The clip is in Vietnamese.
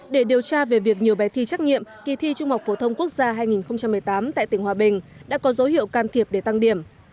để điều tra về việc nhiều bài thi trắc nghiệm kỳ thi trung học phổ thông quốc gia hai nghìn một mươi tám tại tỉnh hòa bình đã có dấu hiệu can thiệp để tăng điểm